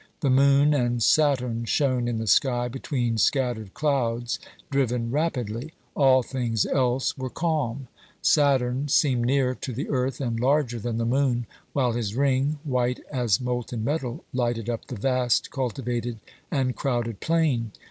The moon and Saturn shone in the sky between scattered clouds driven rapidly ; all things else were calm. Saturn seemed near to the earth and larger than the moon, while his ring, white as molten metal, lighted up the vast, cultivated and crowded plain.